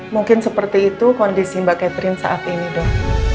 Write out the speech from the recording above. mungkin seperti itu kondisi mbak catherine saat ini dok